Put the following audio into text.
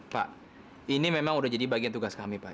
pak ini memang sudah jadi bagian tugas kami pak